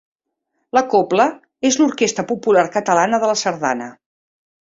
La cobla és l'orquestra popular catalana de la sardana.